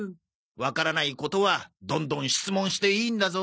わからないことはどんどん質問していいんだぞ。